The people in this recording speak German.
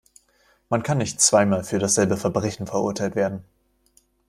Man kann nicht zweimal für dasselbe Verbrechen verurteilt werden.